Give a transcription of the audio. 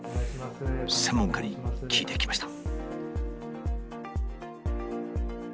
専門家に聞いてきました。